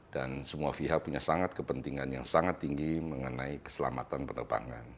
dan semua pihak punya sangat kepentingan yang sangat tinggi mengenai keselamatan penerbangan